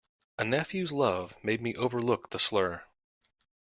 A nephew's love made me overlook the slur.